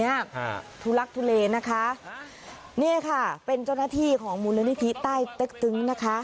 ฮะทุลักทุเลนะคะนี่ค่ะเป็นจ้อนาธิของมูลนิธิใต้ตึ๊กตึ๊งนะคะ